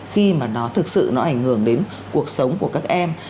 khi mà nó thực sự nó ảnh hưởng đến cuộc sống của các em